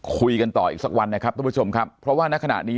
คุยกันต่ออีกสักวันนะครับทุกผู้ชมครับเพราะว่าณขณะนี้